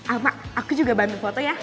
eh ma aku juga bantu foto ya